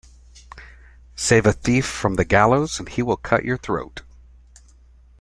Save a thief from the gallows and he will cut your throat.